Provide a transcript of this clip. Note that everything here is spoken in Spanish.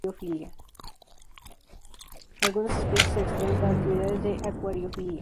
Algunas especies se extraen para actividades de acuariofilia.